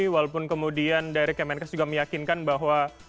walaupun kemudian dari kemenkes juga meyakinkan bahwa